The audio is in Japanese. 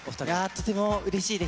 とてもうれしいです。